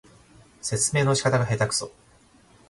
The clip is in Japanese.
説明の仕方がへたくそ